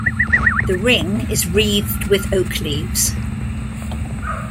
The ring is wreathed with oak leaves.